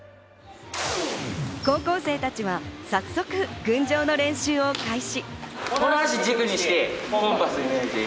高校生たちは早速『群青』の練習を開始。